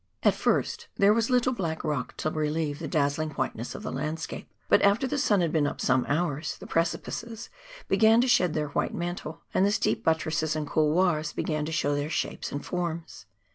At first there was little black rock to relieve the dazzliug whiteness of the landscape, but after the sun had been up some hours, the precipices began to shed their white mantle, and the steep buttresses and couloirs began to show their shapes and forms.